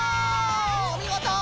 おみごと！